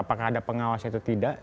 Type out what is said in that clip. apakah ada pengawas atau tidak